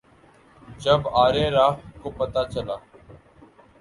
جب ارے راہ کو پتہ چلا